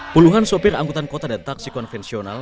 puluhan sopir angkutan kota dan taksi konvensional